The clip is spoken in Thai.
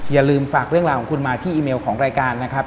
อย่าลืมฝากเรื่องราวของคุณมาที่อีเมลของรายการนะครับ